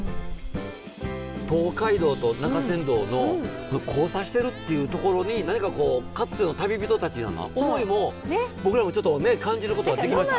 東海道と中山道の交差してるっていう所に何かかつての旅人たちの思いも僕らもちょっとね感じることができました。